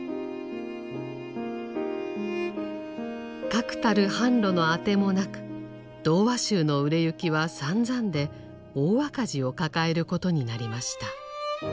確たる販路の当てもなく童話集の売れ行きはさんざんで大赤字を抱えることになりました。